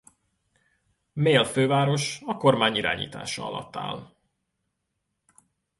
Male főváros a kormány irányítása alatt áll.